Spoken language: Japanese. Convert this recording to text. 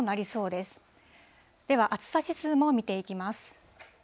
では暑さ指数も見ていきます。